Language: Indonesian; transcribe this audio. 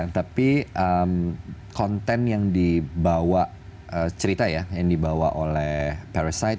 tapi konten yang dibawa cerita ya yang dibawa oleh parasite